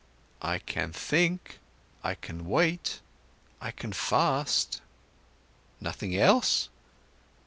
"I can think. I can wait. I can fast." "Nothing else?"